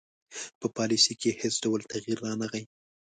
په پالیسي کې یې هیڅ ډول تغیر رانه غی.